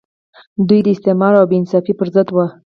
دوی د استثمار او بې انصافۍ پر ضد وو.